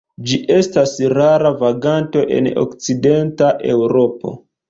Ĝi estas rara vaganto en okcidenta Eŭropo.